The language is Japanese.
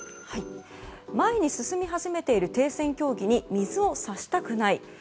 前に進み始めている停戦協議に水を差したくない。